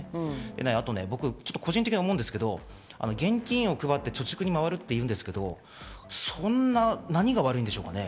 あと僕ね、個人的に思うんですけど、現金を配って貯蓄にまわるっていうんですけど何が悪いんでしょうかね。